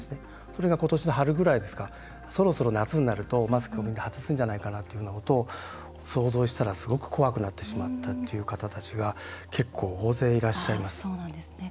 それが今年の春ぐらいですかそろそろ夏になるとマスクをみんな外すんじゃないかなというようなことを想像したらすごく怖くなってしまったっていう方たちが結構、大勢いらっしゃいます。